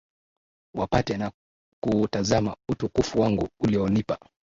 wapate na kuutazama utukufu wangu ulionipa